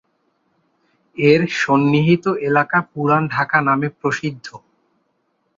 এর সন্নিহিত এলাকা পুরান ঢাকা নামে প্রসিদ্ধ।